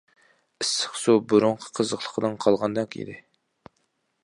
«ئىسسىق» سۇ بۇرۇنقى قىزىقلىقىدىن قالغاندەك ئىدى.